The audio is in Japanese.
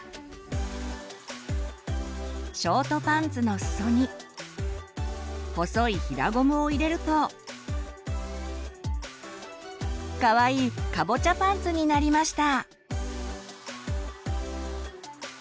ショートパンツのすそに細い平ゴムを入れるとかわいいカボチャパンツになりました！